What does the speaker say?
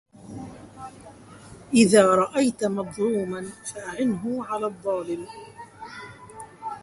إذا رأيتَ مظلوماً فأعِنْهُ على الظّالم.